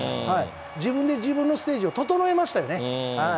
自分で自分のステージを整えましたよね。